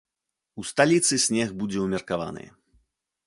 У сталіцы снег будзе ўмеркаваны.